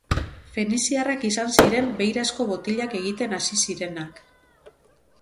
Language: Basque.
Feniziarrak izan ziren beirazko botilak egiten hasi zirenak.